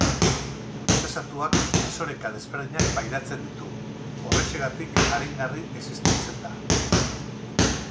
Prozesatuak desoreka desberdinak pairatzen ditu horrexegatik aringarri existitzen da.